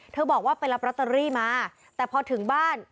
บอกว่าไปรับลอตเตอรี่มาแต่พอถึงบ้าน